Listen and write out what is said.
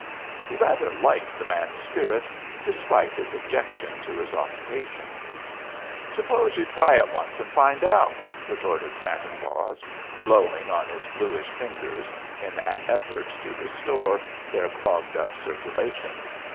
He rather liked the man's spirit, despite his objection to his occupation. "Suppose you try it once and find out," retorted Santa Claus, blowing on his bluish fingers in an effort to restore their clogged up circulation.